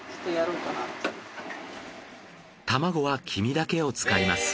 卵は黄身だけを使います。